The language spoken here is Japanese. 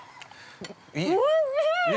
◆おいしい！